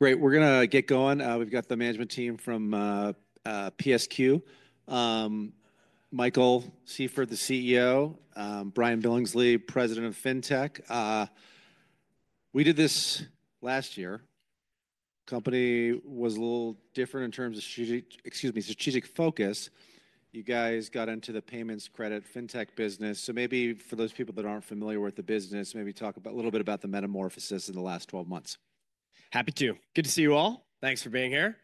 Great. We're going to get going. We've got the management team from PSQ, Michael Seifert, the CEO, Brian Billingsley, President of FinTech. We did this last year. The company was a little different in terms of strategic, excuse me, strategic focus. You guys got into the payments credit FinTech business. Maybe for those people that aren't familiar with the business, maybe talk a little bit about the metamorphosis in the last 12 months. Happy to. Good to see you all. Thanks for being here.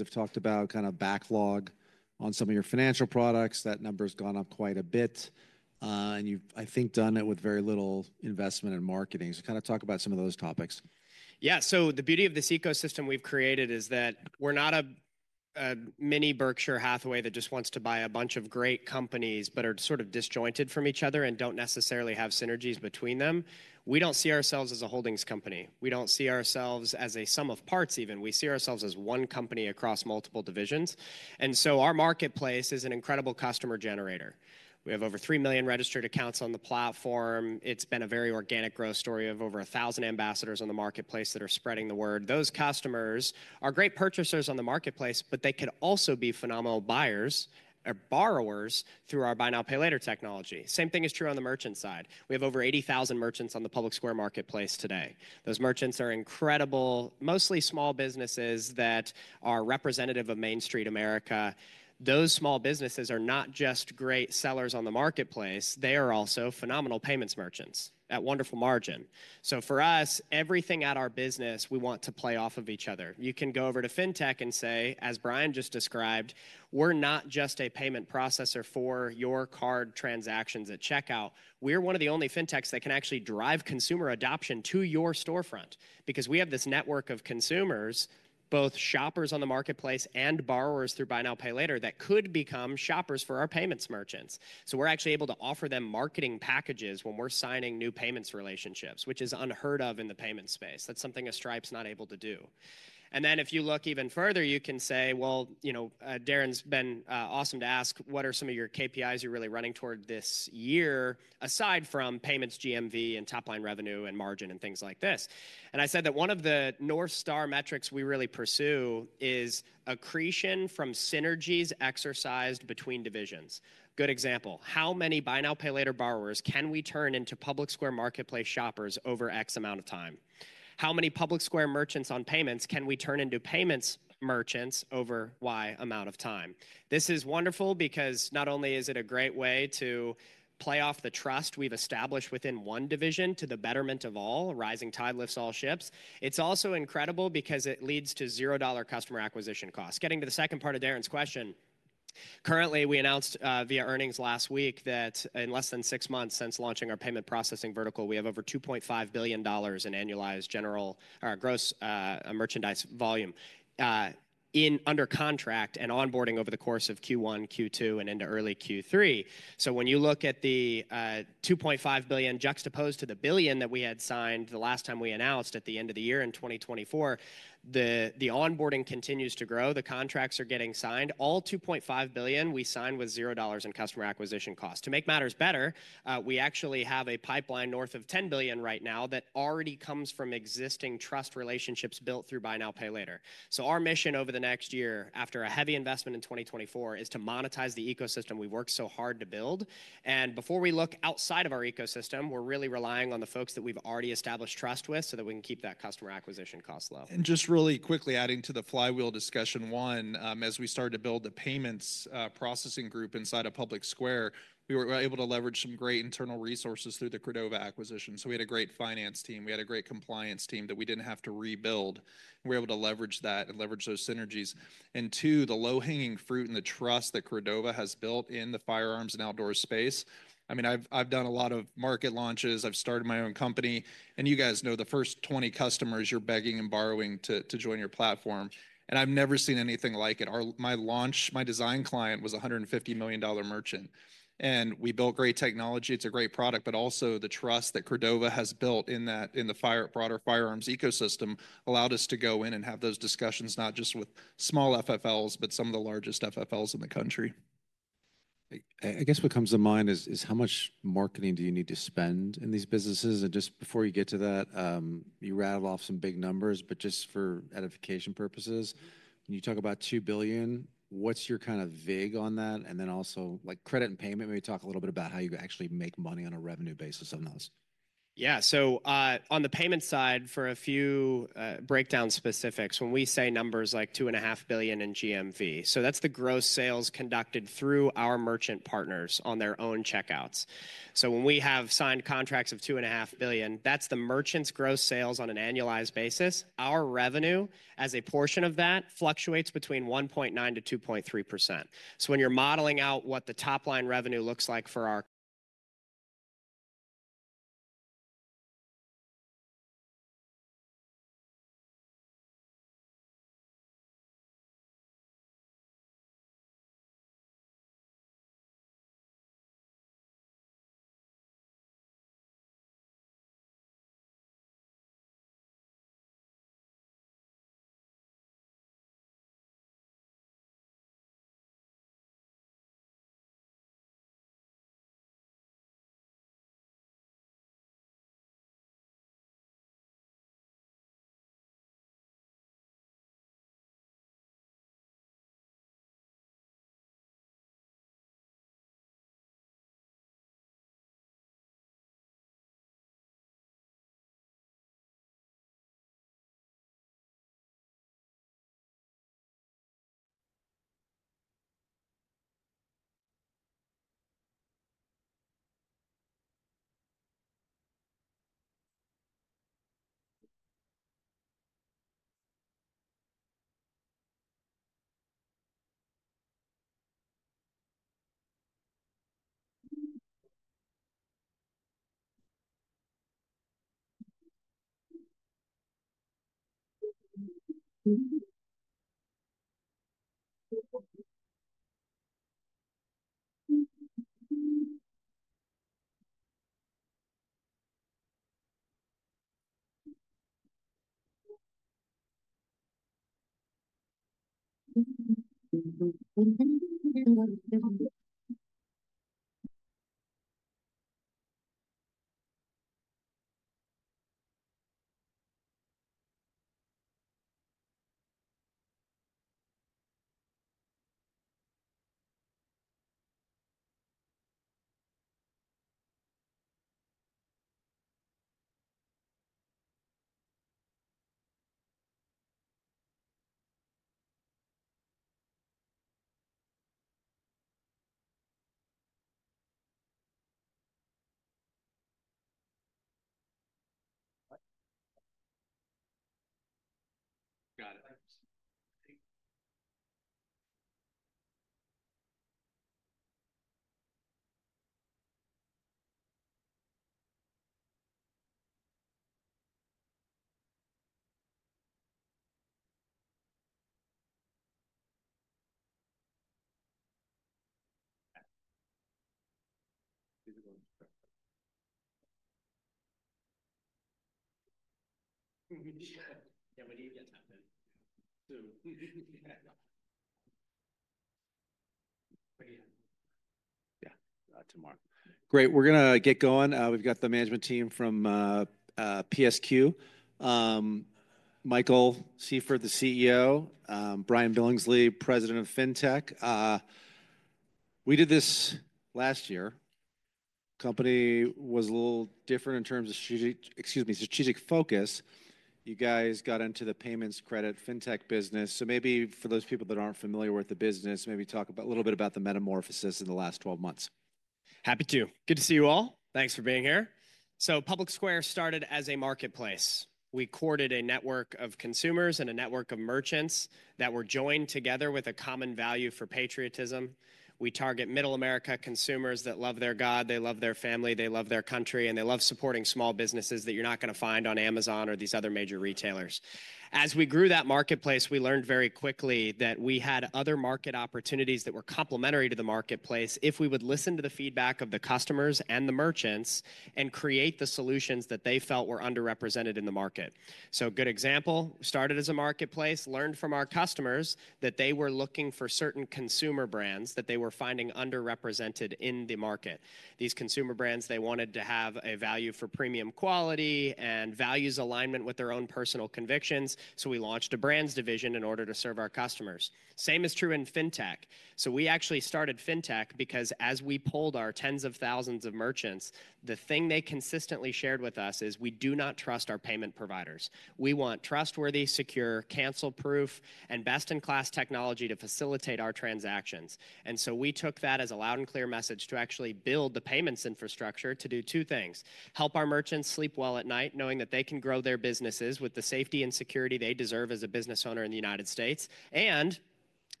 PublicSquare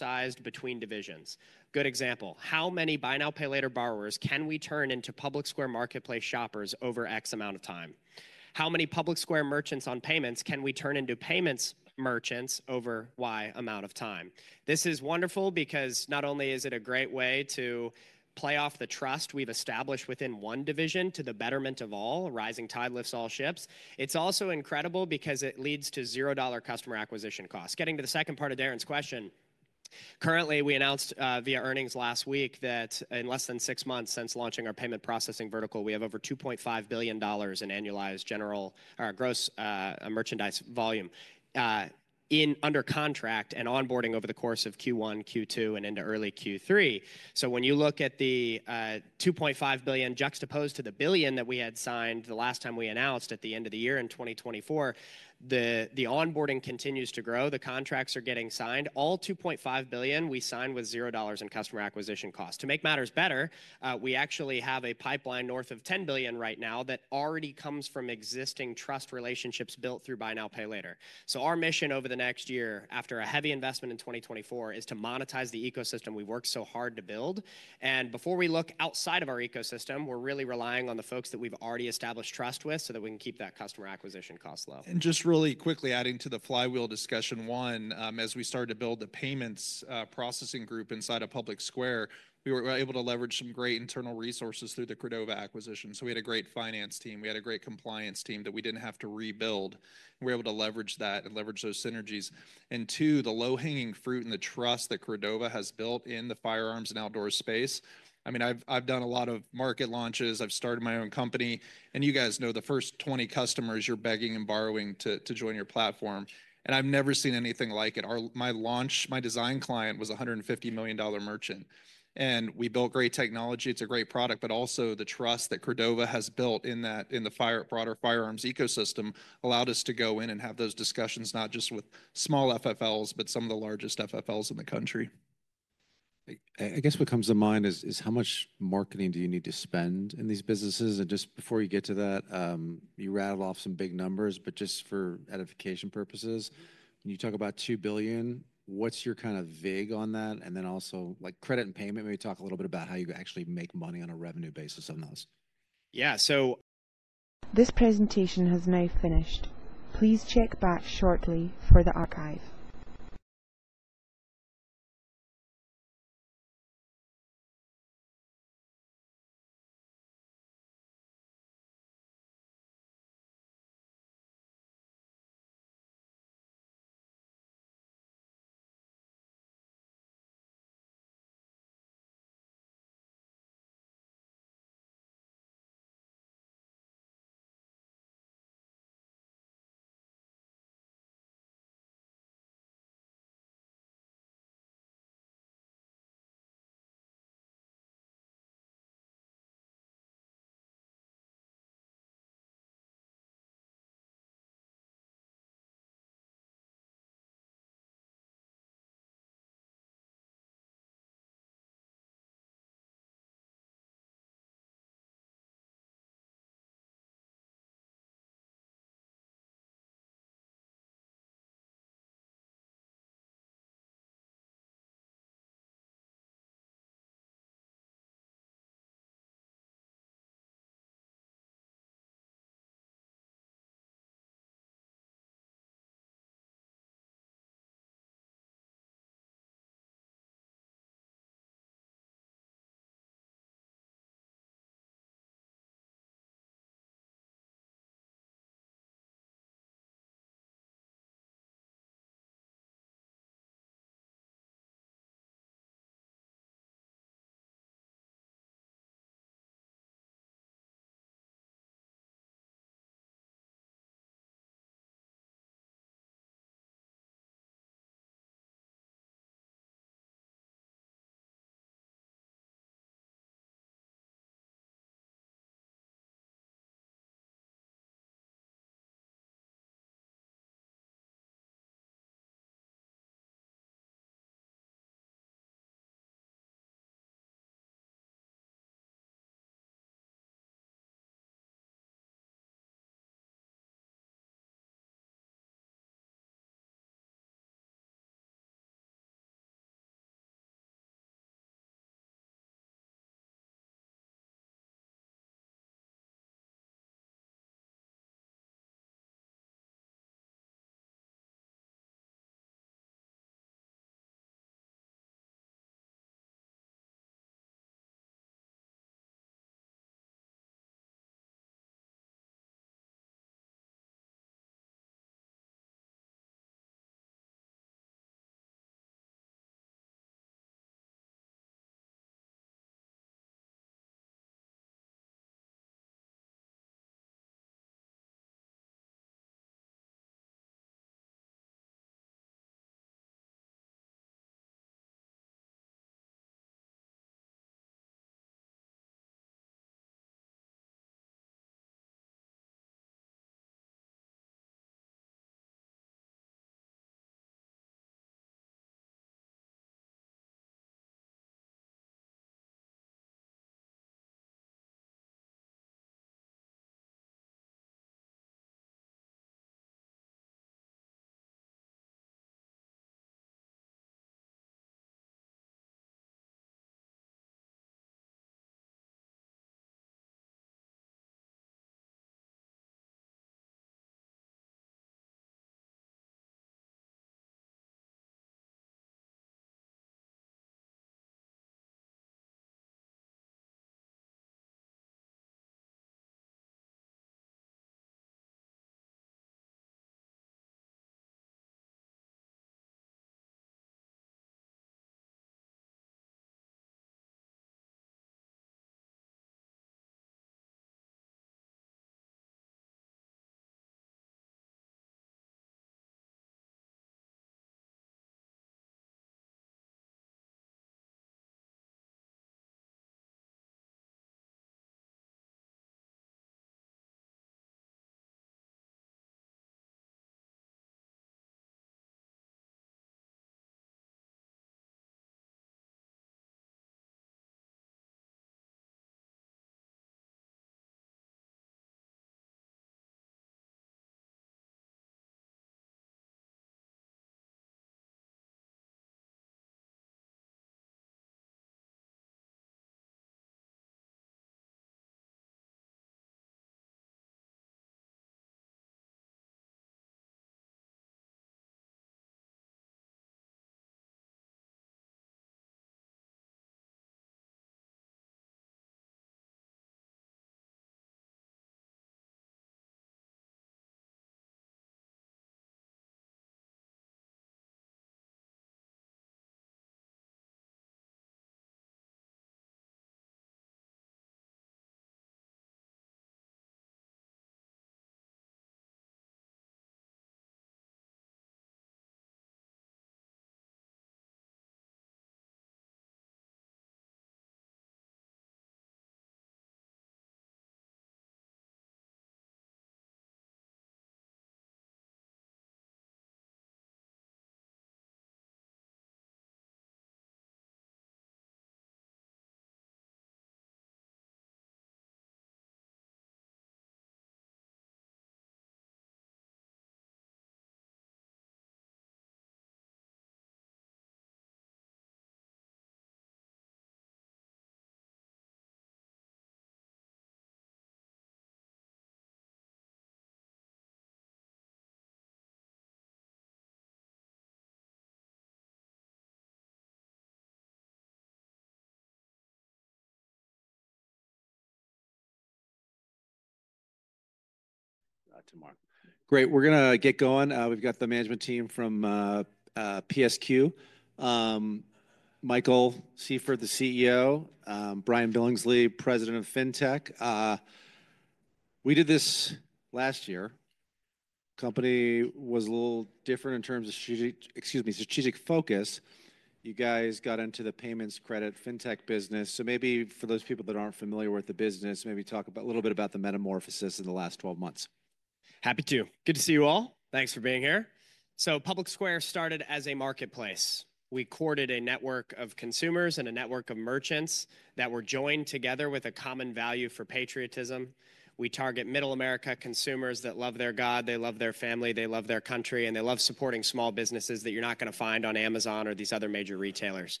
started as a marketplace. We courted a network of consumers and a network of merchants that were joined together with a common value for patriotism. We target middle America consumers that love their God, they love their family, they love their country, and they love supporting small businesses that you're not going to find on Amazon or these other major retailers.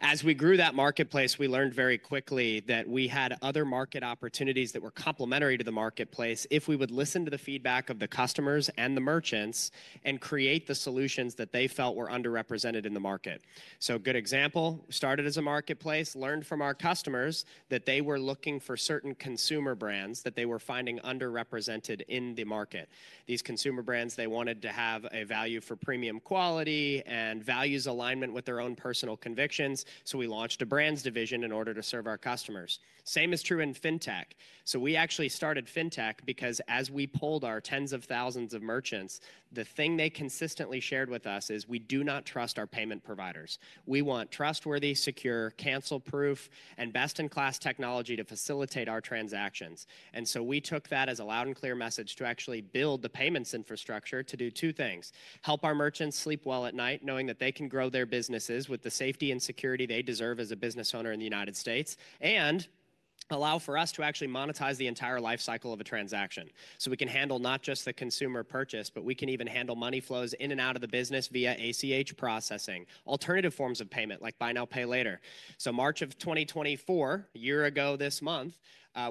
As we grew that marketplace, we learned very quickly that we had other market opportunities that were complementary to the marketplace if we would listen to the feedback of the customers and the merchants and create the solutions that they felt were underrepresented in the market. A good example: we started as a marketplace, learned from our customers that they were looking for certain consumer brands that they were finding underrepresented in the market. These consumer brands, they wanted to have a value for premium quality and values alignment with their own personal convictions. We launched a brands division in order to serve our customers. The same is true in FinTech. We actually started FinTech because as we polled our tens of thousands of merchants, the thing they consistently shared with us is, "We do not trust our payment providers. We want trustworthy, secure, cancel-proof, and best-in-class technology to facilitate our transactions." We took that as a loud and clear message to actually build the payments infrastructure to do two things: help our merchants sleep well at night, knowing that they can grow their businesses with the safety and security they deserve as a business owner in the United States, and allow for us to actually monetize the entire life cycle of a transaction. We can handle not just the consumer purchase, but we can even handle money flows in and out of the business via ACH processing, alternative forms of payment like buy now, pay later. March of 2024, a year ago this month,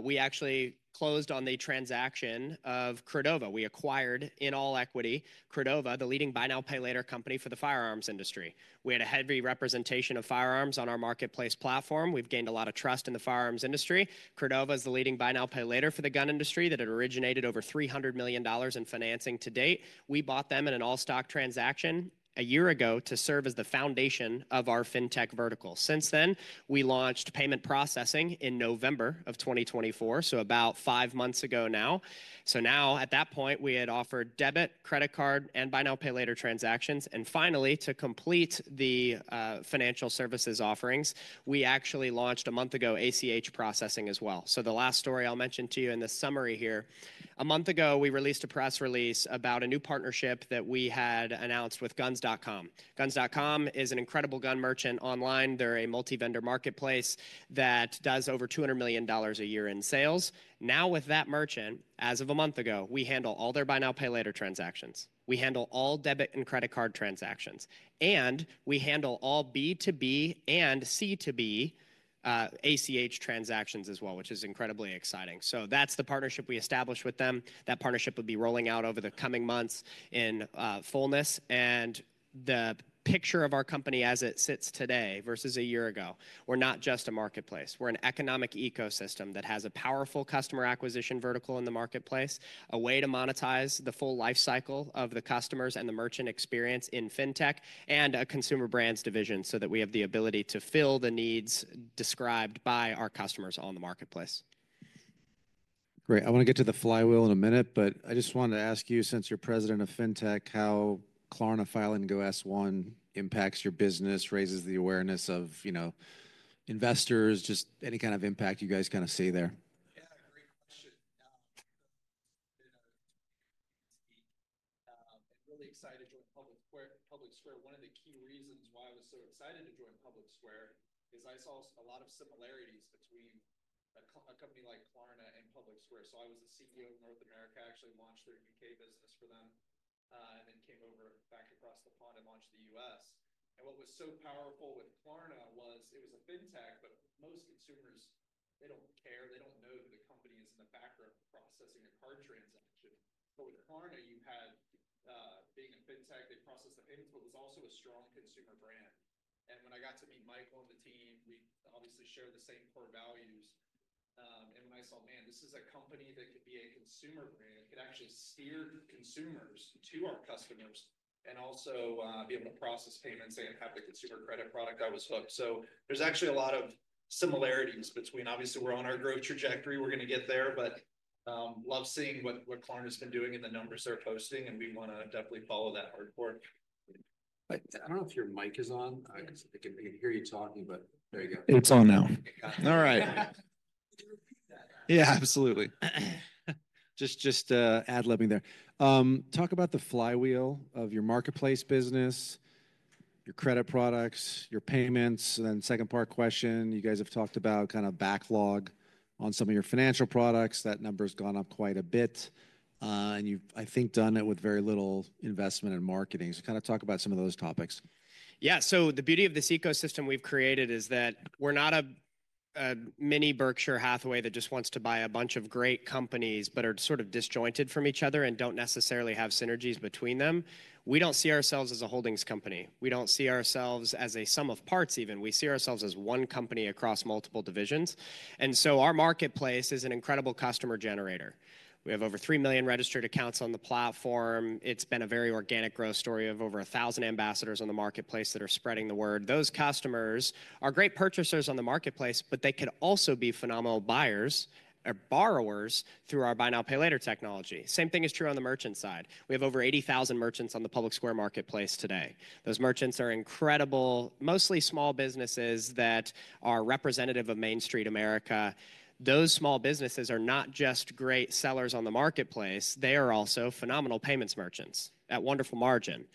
we actually closed on the transaction of Credova. We acquired, in all equity, Credova, the leading buy now, pay later company for the firearms industry. We had a heavy representation of firearms on our marketplace platform. We have gained a lot of trust in the firearms industry. Credova is the leading buy now, pay later for the gun industry that had originated over $300 million in financing to date. We bought them in an all-stock transaction a year ago to serve as the foundation of our FinTech vertical. Since then, we launched payment processing in November of 2024, so about five months ago now. At that point, we had offered debit, credit card, and buy now, pay later transactions. Finally, to complete the financial services offerings, we actually launched a month ago ACH processing as well. The last story I'll mention to you in this summary here, a month ago, we released a press release about a new partnership that we had announced with Guns.com. Guns.com is an incredible gun merchant online. They're a multi-vendor marketplace that does over $200 million a year in sales. Now, with that merchant, as of a month ago, we handle all their buy now, pay later transactions. We handle all debit and credit card transactions. We handle all B2B and C2B ACH transactions as well, which is incredibly exciting. That's the partnership we established with them. That partnership will be rolling out over the coming months in fullness. The picture of our company as it sits today versus a year ago, we're not just a marketplace. We're an economic ecosystem that has a powerful customer acquisition vertical in the marketplace, a way to monetize the full life cycle of the customers and the merchant experience in FinTech, and a consumer brands division so that we have the ability to fill the needs described by our customers on the marketplace. Great. I want to get to the flywheel in a minute, but I just wanted to ask you, since you're President of FinTech, how Klarna filing S-1 impacts your business, raises the awareness of investors, just any kind of impact you guys kind of see there. Yeah, great question. I'm really excited to join PublicSquare. One of the key reasons why I was so excited to join PublicSquare is I saw a lot of similarities between a company like Klarna and PublicSquare. I was the CEO of North America, actually launched their U.K. business for them, and then came over back across the pond and launched the U.S. What was so powerful with Klarna was it was a FinTech, but most consumers, they don't care. They don't know that the company is in the background processing a card transaction. With Klarna, you had, being a FinTech, they processed the payments. It was also a strong consumer brand. When I got to meet Michael and the team, we obviously shared the same core values. When I saw, man, this is a company that could be a consumer brand, could actually steer consumers to our customers and also be able to process payments and have the consumer credit product, I was hooked. There are actually a lot of similarities between, obviously, we're on our growth trajectory. We're going to get there, but love seeing what Klarna has been doing and the numbers they're posting. We want to definitely follow that hardcore. I don't know if your mic is on. I can hear you talking, but there you go. It's on now. All right. Yeah, absolutely. Just add, let me there. Talk about the flywheel of your marketplace business, your credit products, your payments. The second part question, you guys have talked about kind of backlog on some of your financial products. That number has gone up quite a bit. You've, I think, done it with very little investment and marketing. Kind of talk about some of those topics. Yeah. The beauty of this ecosystem we've created is that we're not a mini Berkshire Hathaway that just wants to buy a bunch of great companies but are sort of disjointed from each other and don't necessarily have synergies between them. We don't see ourselves as a holdings company. We don't see ourselves as a sum of parts even. We see ourselves as one company across multiple divisions. Our marketplace is an incredible customer generator. We have over 3 million registered accounts on the platform. It's been a very organic growth story of over 1,000 ambassadors on the marketplace that are spreading the word. Those customers are great purchasers on the marketplace, but they could also be phenomenal buyers or borrowers through our buy now, pay later technology. The same thing is true on the merchant side. We have over 80,000 merchants on the PublicSquare Marketplace today. Those merchants are incredible, mostly small businesses that are representative of Main Street America. Those small businesses are not just great sellers on the marketplace. They are also phenomenal payments merchants at wonderful margin.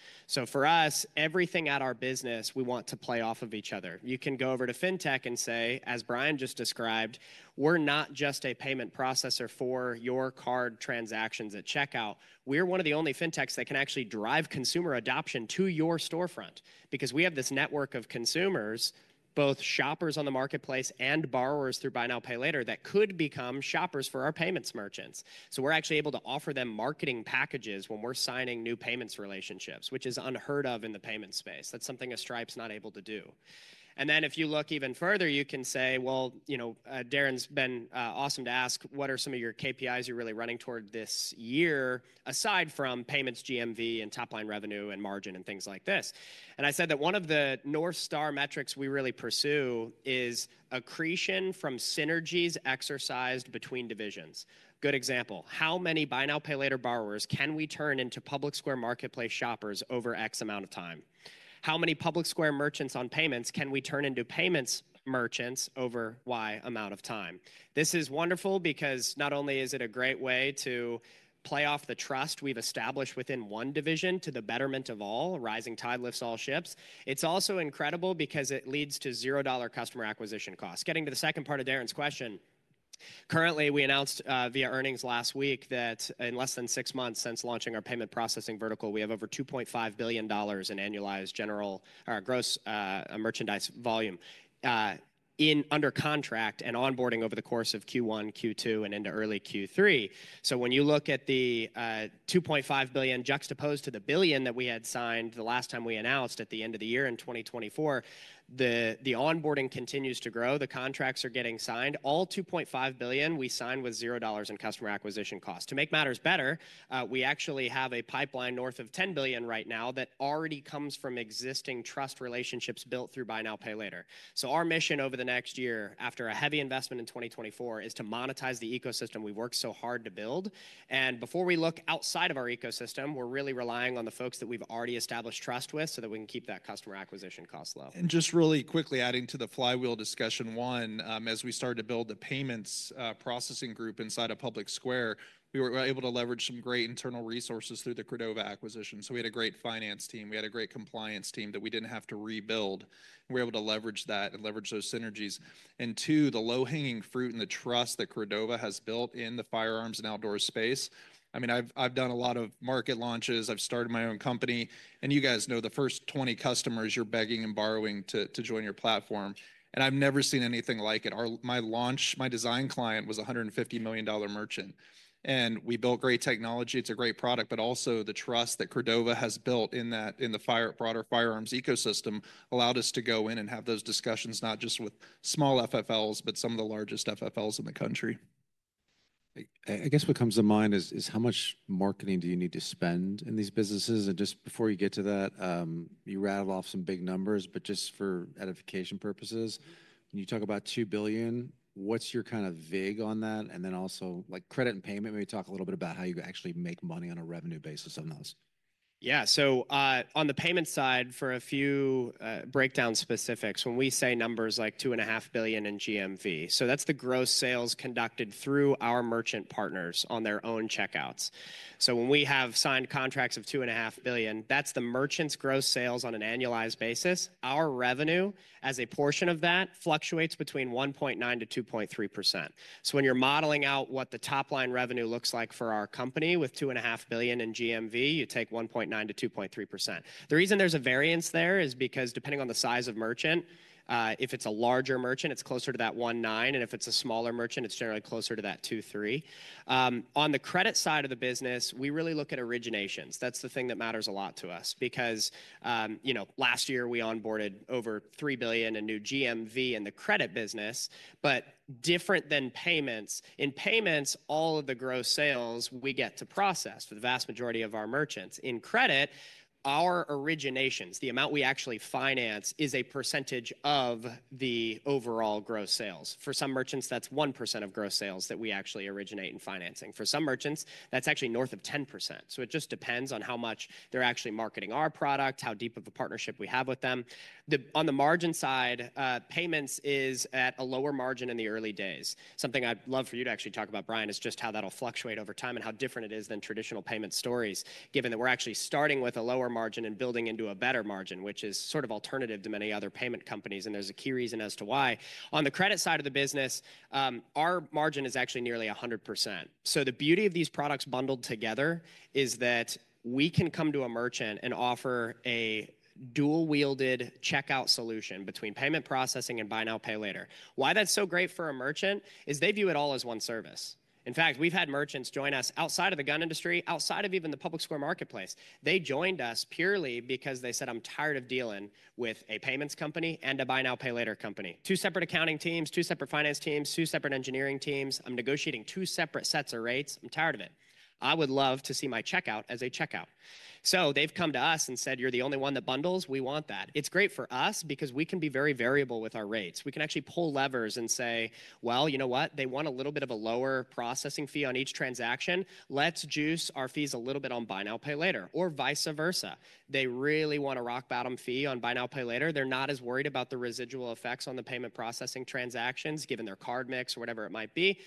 For us, everything at our business, we want to play off of each other. You can go over to FinTech and say, as Brian just described, we're not just a payment processor for your card transactions at checkout. We're one of the only FinTechs that can actually drive consumer adoption to your storefront because we have this network of consumers, both shoppers on the marketplace and borrowers through buy now, pay later that could become shoppers for our payments merchants. We are actually able to offer them marketing packages when we're signing new payments relationships, which is unheard of in the payments space. That's something a Stripe's not able to do. If you look even further, you can say, Darren's been awesome to ask, what are some of your KPIs you're really running toward this year aside from payments, GMV, and top-line revenue and margin and things like this? I said that one of the North Star metrics we really pursue is accretion from synergies exercised between divisions. Good example. How many buy now, pay later borrowers can we turn into PublicSquare Marketplace shoppers over X amount of time? currently, we announced via earnings last week that in less than six months since launching our payment processing vertical, we have over $2.5 billion in annualized gross merchandise volume under contract and onboarding over the course of Q1, Q2, and into early Q3. When you look at the $2.5 billion juxtaposed to the billion that we had signed the last time we announced at the end of the year in 2024, the onboarding continues to grow. The contracts are getting signed. All $2.5 billion we signed was $0 in customer acquisition costs. To make matters better, we actually have a pipeline north of $10 billion right now that already comes from existing trust relationships built through buy now, pay later. Our mission over the next year, after a heavy investment in 2024, is to monetize the ecosystem we've worked so hard to build. Before we look outside of our ecosystem, we're really relying on the folks that we've already established trust with so that we can keep that customer acquisition cost low. Just really quickly adding to the flywheel discussion, one, as we started to build the payments processing group inside of PublicSquare, we were able to leverage some great internal resources through the Credova acquisition. We had a great finance team. We had a great compliance team that we did not have to rebuild. We were able to leverage that and leverage those synergies. Two, the low-hanging fruit and the trust that Credova has built in the firearms and outdoor space. I mean, I have done a lot of market launches. I have started my own company. You guys know the first 20 customers you are begging and borrowing to join your platform. I have never seen anything like it. My design client was a $150 million merchant. We built great technology. It is a great product. Also, the trust that Credova has built in the broader firearms ecosystem allowed us to go in and have those discussions not just with small FFLs, but some of the largest FFLs in the country. I guess what comes to mind is how much marketing do you need to spend in these businesses? Just before you get to that, you rattled off some big numbers, but just for edification purposes, when you talk about $2 billion, what's your kind of vague on that? Also, credit and payment, maybe talk a little bit about how you actually make money on a revenue basis on those. 1.9%-2.3%. The reason there's a variance there is because depending on the size of merchant, if it's a larger merchant, it's closer to that 1.9%. If it's a smaller merchant, it's generally closer to that 2.3%. On the credit side of the business, we really look at originations. That's the thing that matters a lot to us because last year we onboarded over $3 billion in new GMV in the credit business, but different than payments. In payments, all of the gross sales we get to process for the vast majority of our merchants. In credit, our originations, the amount we actually finance is a percentage of the overall gross sales. For some merchants, that's 1% of gross sales that we actually originate in financing. For some merchants, that's actually north of 10%. It just depends on how much they're actually marketing our product, how deep of a partnership we have with them. On the margin side, payments is at a lower margin in the early days. Something I'd love for you to actually talk about, Brian, is just how that'll fluctuate over time and how different it is than traditional payment stories, given that we're actually starting with a lower margin and building into a better margin, which is sort of alternative to many other payment companies. There's a key reason as to why. On the credit side of the business, our margin is actually nearly 100%. The beauty of these products bundled together is that we can come to a merchant and offer a dual-wielded checkout solution between payment processing and buy now, pay later. Why that's so great for a merchant is they view it all as one service. In fact, we've had merchants join us outside of the gun industry, outside of even the PublicSquare Marketplace. They joined us purely because they said, "I'm tired of dealing with a payments company and a buy now, pay later company. Two separate accounting teams, two separate finance teams, two separate engineering teams. I'm negotiating two separate sets of rates. I'm tired of it. I would love to see my checkout as a checkout." They have come to us and said, "You're the only one that bundles. We want that." It's great for us because we can be very variable with our rates. We can actually pull levers and say, "You know what? They want a little bit of a lower processing fee on each transaction. Let's juice our fees a little bit on buy now, pay later, or vice versa. They really want a rock bottom fee on buy now, pay later. They're not as worried about the residual effects on the payment processing transactions given their card mix or whatever it might be.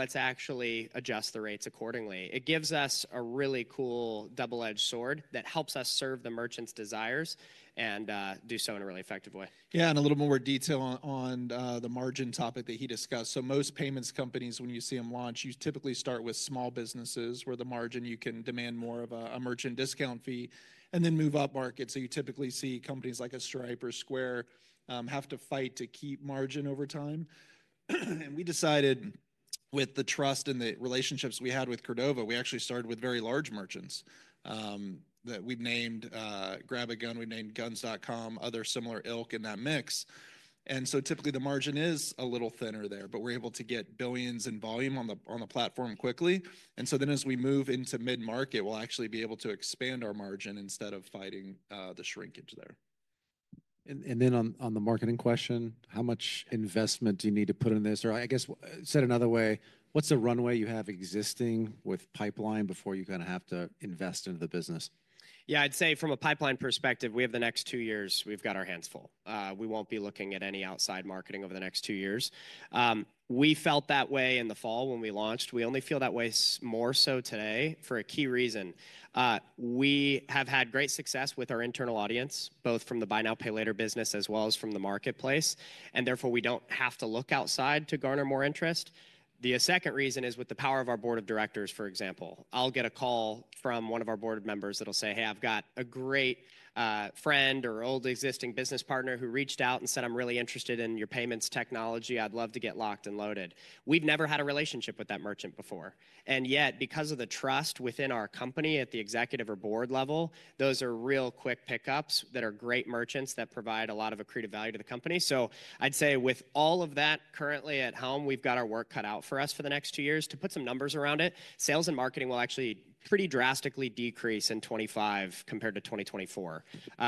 Let's actually adjust the rates accordingly. It gives us a really cool double-edged sword that helps us serve the merchant's desires and do so in a really effective way. Yeah, and a little more detail on the margin topic that he discussed. Most payments companies, when you see them launch, you typically start with small businesses where the margin you can demand more of a merchant discount fee and then move up market. You typically see companies like Stripe or Square have to fight to keep margin over time. We decided with the trust and the relationships we had with Credova, we actually started with very large merchants that we've named, GrabAGun, we've named Guns.com, other similar ilk in that mix. Typically the margin is a little thinner there, but we're able to get billions in volume on the platform quickly. As we move into mid-market, we'll actually be able to expand our margin instead of fighting the shrinkage there. On the marketing question, how much investment do you need to put in this? Or I guess said another way, what's the runway you have existing with pipeline before you kind of have to invest into the business? Yeah, I'd say from a pipeline perspective, we have the next two years, we've got our hands full. We won't be looking at any outside marketing over the next two years. We felt that way in the fall when we launched. We only feel that way more so today for a key reason. We have had great success with our internal audience, both from the buy now, pay later business as well as from the marketplace. Therefore, we don't have to look outside to garner more interest. The second reason is with the power of our board of directors, for example. I'll get a call from one of our board members that'll say, "Hey, I've got a great friend or old existing business partner who reached out and said, 'I'm really interested in your payments technology.' I'd love to get locked and loaded.' We've never had a relationship with that merchant before. Yet, because of the trust within our company at the executive or board level, those are real quick pickups that are great merchants that provide a lot of accretive value to the company. I'd say with all of that currently at home, we've got our work cut out for us for the next two years to put some numbers around it. Sales and marketing will actually pretty drastically decrease in 2025 compared to 2024.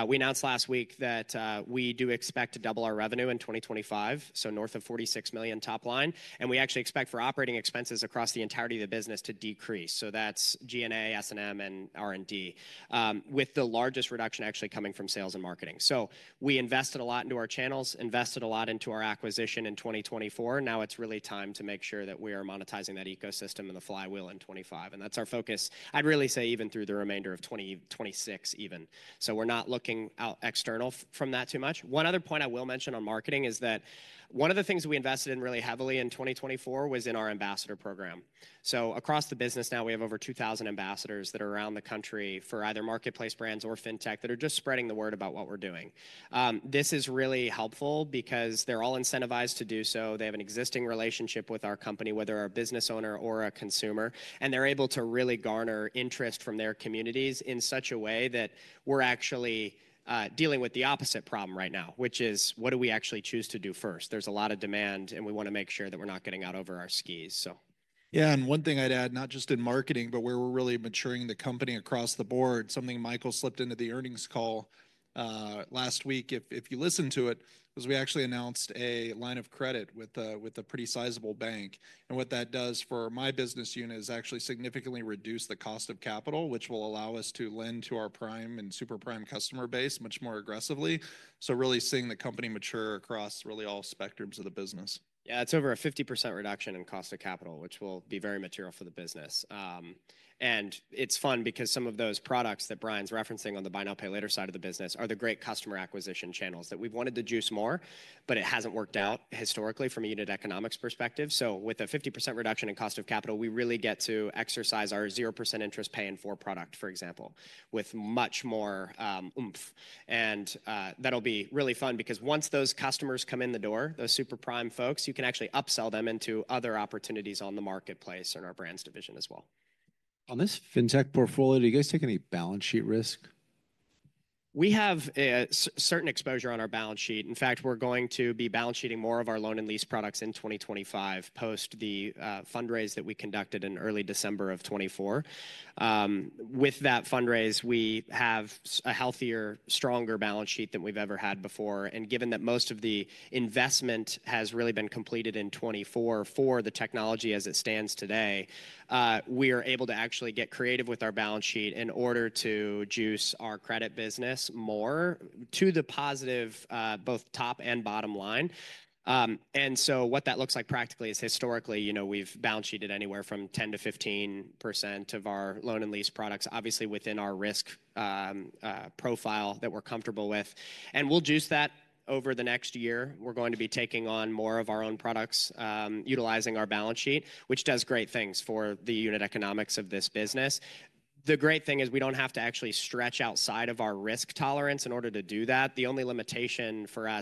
We announced last week that we do expect to double our revenue in 2025, so north of $46 million top line. We actually expect for operating expenses across the entirety of the business to decrease. That's G&A, S&M, and R&D, with the largest reduction actually coming from sales and marketing. We invested a lot into our channels, invested a lot into our acquisition in 2024. Now it's really time to make sure that we are monetizing that ecosystem in the flywheel in 2025. That's our focus, I'd really say even through the remainder of 2026 even. We're not looking out external from that too much. One other point I will mention on marketing is that one of the things we invested in really heavily in 2024 was in our ambassador program. Across the business now, we have over 2,000 ambassadors that are around the country for either marketplace brands or FinTech that are just spreading the word about what we're doing. This is really helpful because they're all incentivized to do so. They have an existing relationship with our company, whether a business owner or a consumer, and they're able to really garner interest from their communities in such a way that we're actually dealing with the opposite problem right now, which is what do we actually choose to do first? There's a lot of demand, and we want to make sure that we're not getting out over our skis, so. Yeah, and one thing I'd add, not just in marketing, but where we're really maturing the company across the board, something Michael slipped into the earnings call last week, if you listen to it, was we actually announced a line of credit with a pretty sizable bank. What that does for my business unit is actually significantly reduce the cost of capital, which will allow us to lend to our prime and super-prime customer base much more aggressively. Really seeing the company mature across really all spectrums of the business. Yeah, it's over a 50% reduction in cost of capital, which will be very material for the business. It's fun because some of those products that Brian's referencing on the buy now, pay later side of the business are the great customer acquisition channels that we've wanted to juice more, but it hasn't worked out historically from a unit economics perspective. With a 50% reduction in cost of capital, we really get to exercise our 0% interest Pay in 4 product, for example, with much more oomph. That'll be really fun because once those customers come in the door, those super-prime folks, you can actually upsell them into other opportunities on the marketplace and our brands division as well. On this FinTech portfolio, do you guys take any balance sheet risk? We have certain exposure on our balance sheet. In fact, we're going to be balance sheeting more of our loan and lease products in 2025 post the fundraise that we conducted in early December of 2024. With that fundraise, we have a healthier, stronger balance sheet than we've ever had before. Given that most of the investment has really been completed in 2024 for the technology as it stands today, we are able to actually get creative with our balance sheet in order to juice our credit business more to the positive both top and bottom line. What that looks like practically is historically, we've balance sheeted anywhere from 10%-15% of our loan and lease products, obviously within our risk profile that we're comfortable with. We'll juice that over the next year. We're going to be taking on more of our own products utilizing our balance sheet, which does great things for the unit economics of this business. The great thing is we don't have to actually stretch outside of our risk tolerance in order to do that. The only limitation for us.